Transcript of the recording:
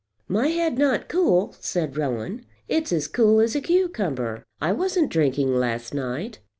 "My head not cool!" said Rowan. "It's as cool as a cucumber. I wasn't drinking last night."